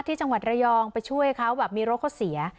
ที่จังหวัดระยองไปช่วยเขาแบบมีรถเขาเสีย